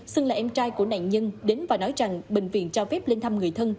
xưng là em trai của nạn nhân đến và nói rằng bệnh viện cho phép lên thăm người thân